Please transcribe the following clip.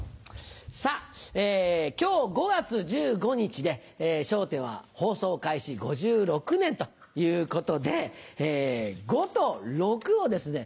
さぁ今日５月１５日で『笑点』は放送開始５６年ということで５と６をですね